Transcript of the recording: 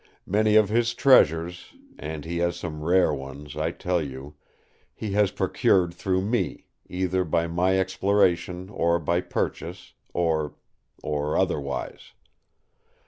Many of his treasures—and he has some rare ones, I tell you—he has procured through me, either by my exploration or by purchase—or—or—otherwise.